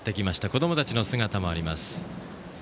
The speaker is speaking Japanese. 子どもたちの姿もあります。